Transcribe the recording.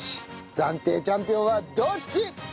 暫定チャンピオンはどっち！？